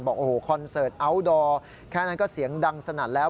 บอกโอ้โหคอนเสิร์ตอัลดอร์แค่นั้นก็เสียงดังสนั่นแล้ว